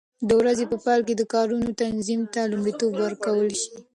د ورځې په پیل کې د کارونو تنظیم ته لومړیتوب ورکړل شي.